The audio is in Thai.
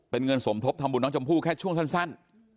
เป็นเงินสมทบทำบุญน้องชมพู่แค่ช่วงสั้น